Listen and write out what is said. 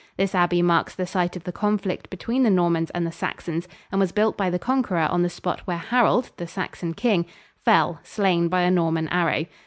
This abbey marks the site of the conflict between the Normans and the Saxons and was built by the Conqueror on the spot where Harold, the Saxon king, fell, slain by a Norman arrow.